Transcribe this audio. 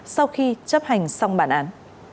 sau khi chấp hành xong bản án